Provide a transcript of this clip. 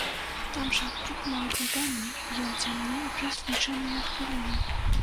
Там жа крухмал бульбяны, ён цямнее праз лічаныя хвіліны.